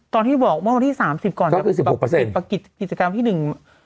ตอนที่บอกเมื่อวันที่สามสิบก่อนก็คือสิบหกเปอร์เซ็นประกิจกิจกรรมที่หนึ่ง